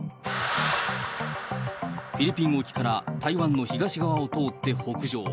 フィリピン沖から台湾の東側を通って北上。